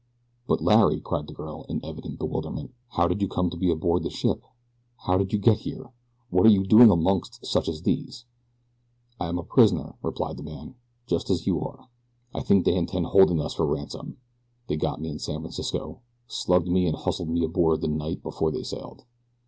"But, Larry," cried the girl, in evident bewilderment, "how did you come to be aboard this ship? How did you get here? What are you doing amongst such as these?" "I am a prisoner," replied the man, "just as are you. I think they intend holding us for ransom. They got me in San Francisco. Slugged me and hustled me aboard the night before they sailed."